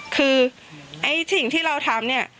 คือสิ่งที่เราทำนี่